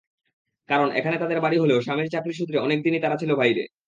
কারণ, এখানে তাদের বাড়ি হলেও স্বামীর চাকরিসূত্রে অনেক দিনই তারা ছিল বাইরে।